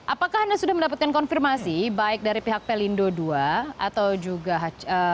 apakah anda sudah mendapatkan konfirmasi baik dari pihak pelindo ii atau juga